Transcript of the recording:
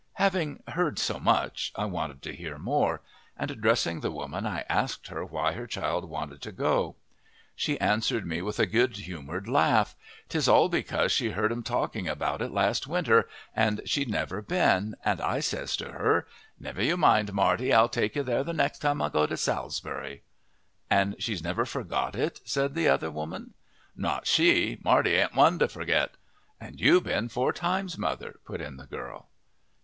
Having heard so much I wanted to hear more, and addressing the woman I asked her why her child wanted to go. She answered me with a good humoured laugh, "'Tis all because she heard 'em talking about it last winter, and she'd never been, and I says to her, 'Never you mind, Marty, I'll take you there the next time I go to Salisbury.'" "And she's never forgot it," said the other woman. "Not she Marty ain't one to forget." "And you been four times, mother," put in the girl.